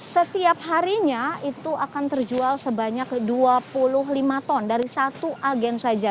setiap harinya itu akan terjual sebanyak dua puluh lima ton dari satu agen saja